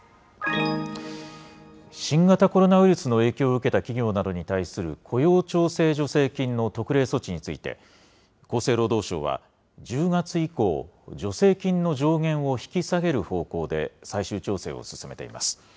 新型コロナウイルスの影響を受けた企業などに対する、雇用調整助成金の特例措置について、厚生労働省は、１０月以降、助成金の上限を引き下げる方向で最終調整を進めています。